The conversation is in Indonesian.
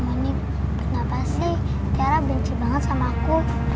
monique kenapa sih ciara benci banget sama aku